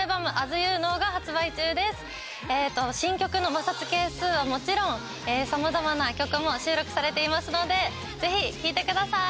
新曲の『摩擦係数』はもちろんさまざまな曲も収録されていますのでぜひ聴いてください